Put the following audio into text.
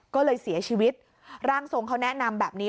ก็เลยเสียชีวิตร่างทรงเขาแนะนำแบบนี้